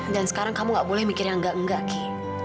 dan sekarang kamu gak boleh mikir yang enggak enggak ki